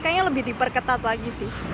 kayaknya lebih diperketat lagi sih